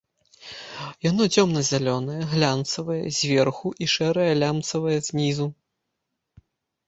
Яно цёмна-зялёнае, глянцавае зверху і шэрае лямцавае знізу.